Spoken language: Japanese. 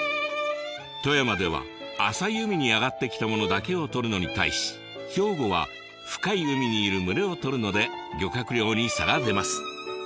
富山では浅い海に上がってきたものだけをとるのに対し兵庫は深い海にいる群れをとるので漁獲量に差が出ます。